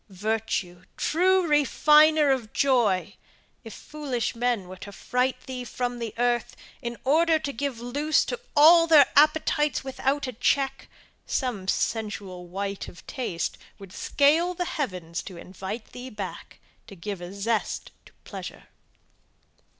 Virtue, true refiner of joy! if foolish men were to fright thee from earth, in order to give loose to all their appetites without a check some sensual wight of taste would scale the heavens to invite thee back, to give a zest to pleasure!